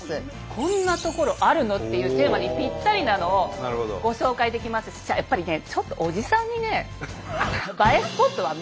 こんなところあるの？っていうテーマにぴったりなのをご紹介できますしやっぱりね